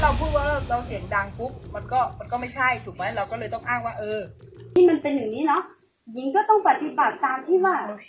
เราก็เลยต้องอ้างว่าเออนี่มันเป็นอย่างนี้เนอะหญิงก็ต้องปฏิบัติตามที่ว่า